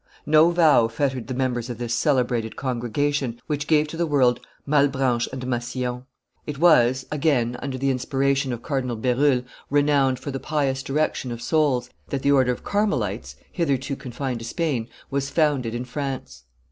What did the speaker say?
No vow fettered the members of this celebrated congregation, which gave to the world Malebranche and Massillon. It was, again, under the inspiration of Cardinal B6rulle, renowned for the pious direction of souls, that the order of Carmelites, hitherto confined to Spain, was founded in France.